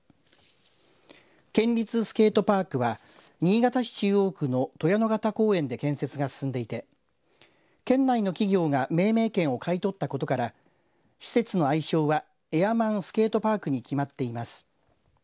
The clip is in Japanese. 県立スケートパークは新潟市中央区の鳥屋野潟公園で建設が進んでいて県内の企業が命名権を買い取ったことから施設の愛称はＡＩＲＭＡＮスケートパークに決まっています。